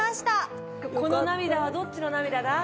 この涙はどっちの涙だ？